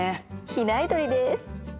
比内鶏です。